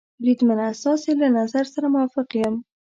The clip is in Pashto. بریدمنه، ستاسې له نظر سره موافق یم.